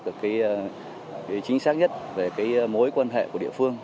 chính xác nhất về mối quan hệ của địa phương